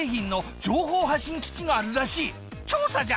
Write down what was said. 調査じゃ！